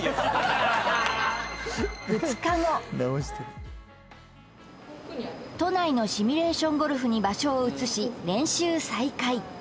２日後都内のシミュレーションゴルフに場所を移し練習再開